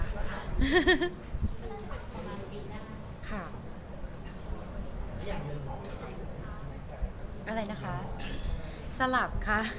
อะไรนะคะสลับค่ะ